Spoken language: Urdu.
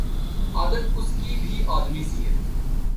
عادت اس کی بھی آدمی سی ہے